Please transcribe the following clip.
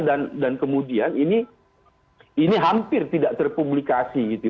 dan kemudian ini hampir tidak terpublikasi gitu